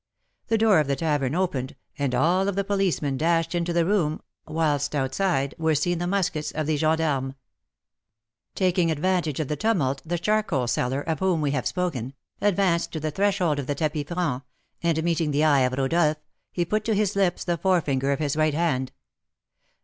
The door of the tavern opened, and all of the policemen dashed into the room, whilst, outside, were seen the muskets of the gens d'armes. Taking advantage of the tumult, the charcoal seller, of whom we have spoken, advanced to the threshold of the tapis franc, and, meeting the eye of Rodolph, he put to his lips the forefinger of his right hand.